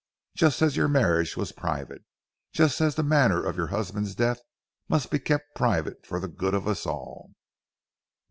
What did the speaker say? "Just as your marriage was private; and just as the manner of your husband's death must be kept private for the good of us all."